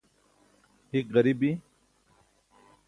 hik ġari bi